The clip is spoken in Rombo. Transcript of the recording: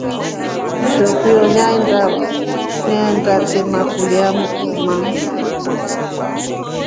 Shekuyo nyaenda tema kulya mboma.